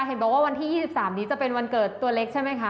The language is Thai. เห็นบอกว่าวันที่๒๓นี้จะเป็นวันเกิดตัวเล็กใช่ไหมคะ